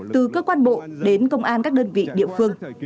từ cơ quan bộ đến công an các đơn vị địa phương